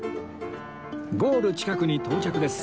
ゴール近くに到着です